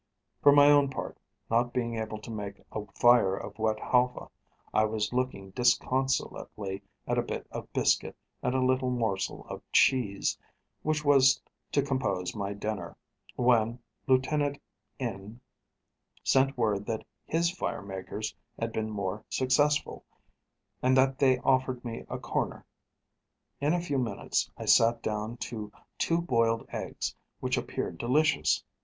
For my own part, not being able to make a fire of wet halfa, I was looking disconsolately at a bit of biscuit, and a little morsel of cheese, which was to compose my dinner, when Lieutenant N sent word that his fire makers had been more successful, and that they offered me a corner. In a few minutes, I sat down to two boiled eggs, which appeared delicious.